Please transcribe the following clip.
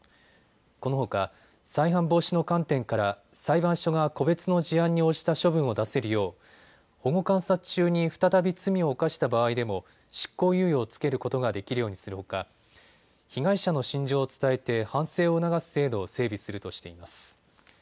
このほか再犯防止の観点から裁判所が個別の事案に応じた処分を出せるよう保護観察中に再び罪を犯した場合でも執行猶予を付けることができるようにするほか被害者の心情を伝えて反省を促す制度を整備するとしています。